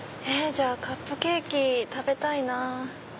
じゃあカップケーキ食べたいなぁ。